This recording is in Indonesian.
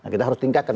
kita harus tingkatkan